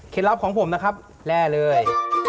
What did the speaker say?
ลับของผมนะครับแร่เลย